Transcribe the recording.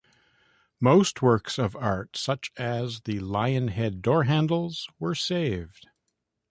Most works of art, such as the lion-head door handles, were saved.